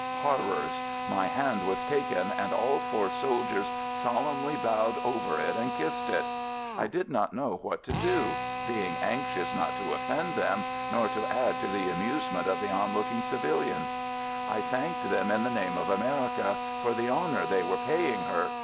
Horrors! My hand was taken and all four soldiers solemnly bowed over it and kissed it. I did not know what to do — being anxious not to offend them, nor to add to the amusement of the on looking civilians. I thanked them in the name of America, for the honor they were paying her!